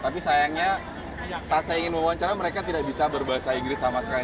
tapi sayangnya saat saya ingin mewawancara mereka tidak bisa berbahasa inggris sama sekali